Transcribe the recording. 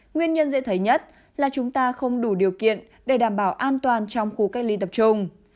nguyên nhân dễ thấy nhất là chúng ta không đủ điều kiện để đảm bảo an toàn trong khu cách ly tập trung